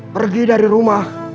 pergi dari rumah